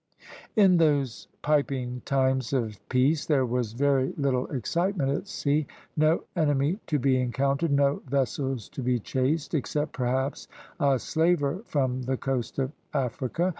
In those piping times of peace there was very little excitement at sea no enemy to be encountered, no vessels to be chased, except perhaps a slaver from the coast of Africa.